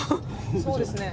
そうですね。